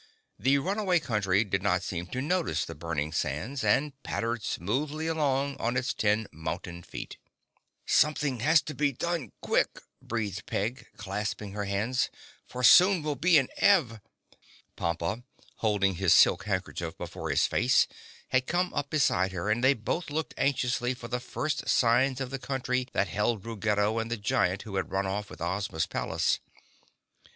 The Runaway Country did not seem to notice the burning sands and pattered smoothly along on its ten mountain feet. [Illustration: (unlabelled)] "Something has to be done, quick," breathed Peg, clasping her hands, "for soon we'll be in Ev." Pompa, holding his silk handkerchief before his face, had come up beside her and they both looked anxiously for the first signs of the country that held Ruggedo and the giant who had run off with Ozma's palace.